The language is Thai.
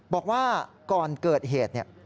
บอกว่าก่อนเกิดเหตุ